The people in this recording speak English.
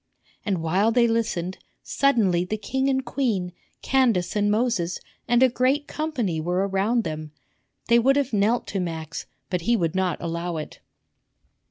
And while they listened, suddenly the king and queen, Candace and Moses, and a great company were around them. They would have knelt to Max, but he would not allow it.